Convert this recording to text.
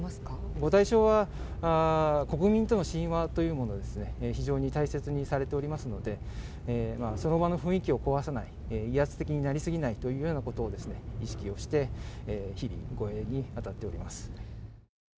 ご対象は、国民との親和というものを非常に大切にされておりますので、その場の雰囲気を壊さない、威圧的になり過ぎないというようなことを意識をして、日々、護衛に当たっております。